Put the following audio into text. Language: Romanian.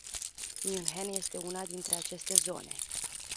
München este una dintre aceste zone.